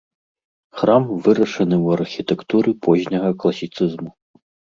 Храм вырашаны ў архітэктуры позняга класіцызму.